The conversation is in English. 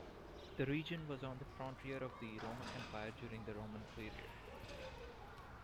The region was on the frontier of the Roman Empire during the Roman period.